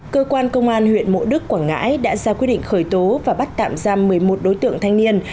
cơ quan công an huyện mộ đức quảng ngãi đã ra quyết định khởi tố và bắt tạm giam một mươi một đối tượng thanh niên